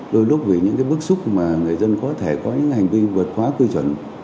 đôi lúc vì những bước xúc mà người dân có thể có những hành vi vượt khóa quy chuẩn